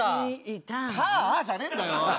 「たあ」じゃねえんだよおい！